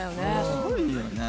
「すごいよね」